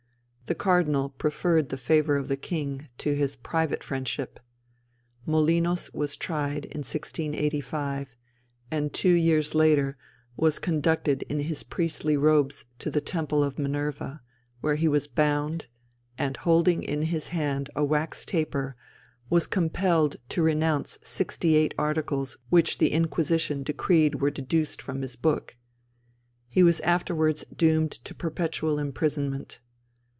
The Cardinal preferred the favour of the king to his private friendship. Molinos was tried in 1685, and two years later was conducted in his priestly robes to the temple of Minerva, where he was bound, and holding in his hand a wax taper was compelled to renounce sixty eight articles which the Inquisition decreed were deduced from his book. He was afterwards doomed to perpetual imprisonment.